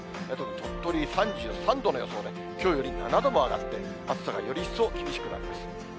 鳥取３３度の予想で、きょうより７度も上がって、暑さがより一層厳しくなります。